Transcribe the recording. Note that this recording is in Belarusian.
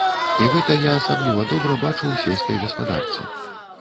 І гэта я асабліва добра бачу ў сельскай гаспадарцы.